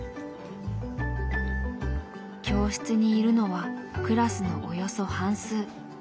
教室にいるのはクラスのおよそ半数。